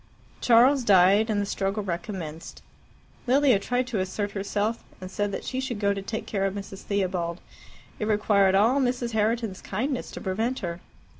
Charles died, and the struggle recommenced. Lilia tried to assert herself, and said that she should go to take care of Mrs. Theobald. It required all Mrs. Herriton's kindness to prevent her.